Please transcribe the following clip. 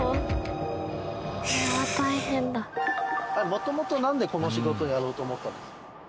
もともとなんでこの仕事やろうと思ったんですか？